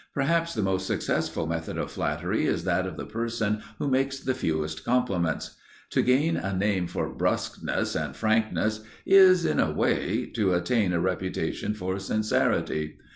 Perhaps the most successful method of flattery is that of the person who makes the fewest compliments. To gain a name for brusqueness and frankness is, in a way, to attain a reputation for sincerity.